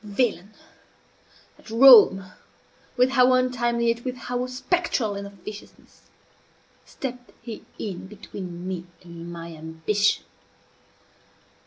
Villain! at Rome, with how untimely, yet with how spectral an officiousness, stepped he in between me and my ambition!